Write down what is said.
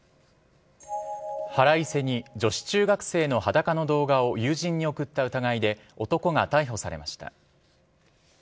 腹いせに女子中学生の裸の動画を友人に送った疑いで男が逮捕されました。